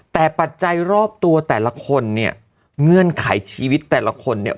แต่ปัจจัยรอบตัวแต่ละคนเนี่ยเงื่อนไขชีวิตแต่ละคนเนี่ย